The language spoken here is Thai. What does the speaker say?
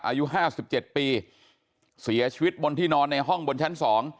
อายุ๕๗ปีเสียชีวิตบนที่นอนในห้องบนชั้น๒